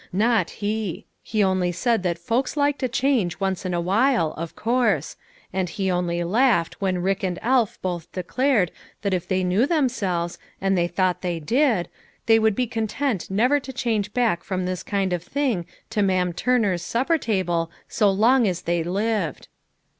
Not he ; he only said that folks liked a change once in awhile, of course, and he only laughed when Rick and Alf both declared that if they knew themselves, and they thought they did, they would be content never to change back from this kind of thing to Ma'am Turner's sup per table so long as they lived.